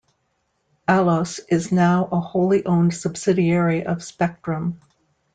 Allos is now a wholly owned subsidiary of Spectrum.